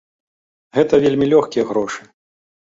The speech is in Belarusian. Гэта вельмі лёгкія грошы.